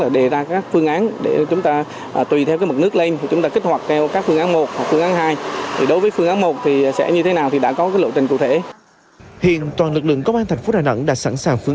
để ứng phó với mưa